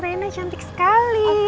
rena cantik sekali